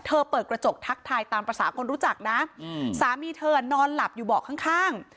เปิดกระจกทักทายตามภาษาคนรู้จักนะสามีเธอนอนหลับอยู่เบาะข้าง